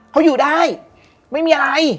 เขาอยู่ได้ไม่มีอะไร